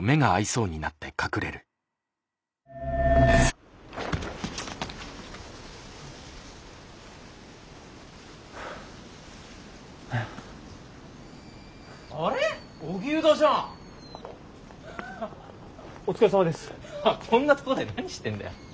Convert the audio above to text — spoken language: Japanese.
こんなとこで何してんだよ。